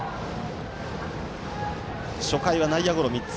初回は内野ゴロ３つ。